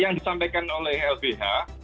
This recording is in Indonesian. yang disampaikan oleh lpha